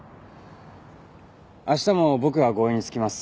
明日も僕が護衛につきます。